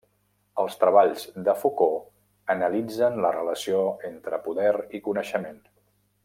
Els treballs de Foucault analitzen la relació entre poder i coneixement.